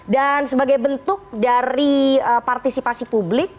dan sebagai bentuk dari partisipasi publik